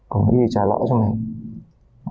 còn gì trả lỡ cho mình